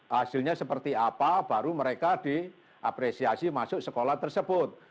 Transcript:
hasilnya seperti apa baru mereka diapresiasi masuk sekolah tersebut